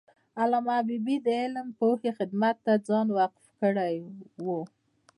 علامه حبیبي د علم او پوهې خدمت ته ځان وقف کړی و.